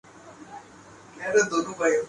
جسے سن کر عبدالقادر کی انکھیں